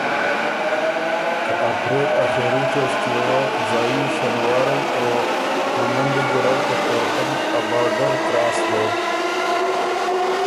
ته اپرېل آخېری توݭکيې وه ځايي شنوارئ او ممندي ګیرډ ته طورخم ا باډر کراس دوک